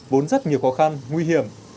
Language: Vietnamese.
vốn rất nhiều khó khăn nguy hiểm